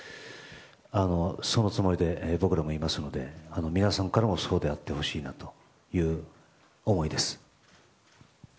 そのつもりで僕らもいますので皆さんからもそうであってほしいなという思いです。